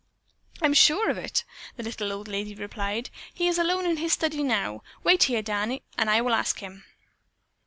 "I'm sure of it," the little old lady replied. "He is alone in his study now. Wait here. Danny, and I will ask him."